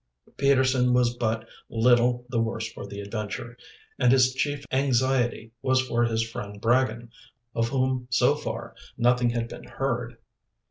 Peterson was but little the worse for the adventure, and his chief anxiety was for his friend Bragin, of whom, so far, nothing had been heard.